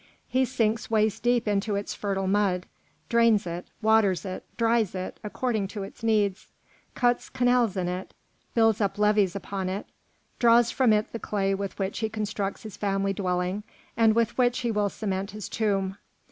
He sinks waist deep into its fertile mud, drains it, waters it, dries it, according to its needs; cuts canals in it, builds up levees upon it, draws from it the clay with which he constructs his family dwelling and with which he will cement his tomb.